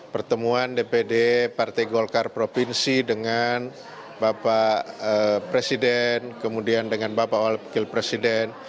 pertemuan dpd partai golkar provinsi dengan bapak presiden kemudian dengan bapak wakil presiden